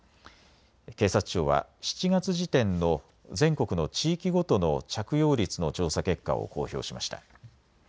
警察庁は７月時点の全国の地域ごとの着用率の調査結果を公表しました。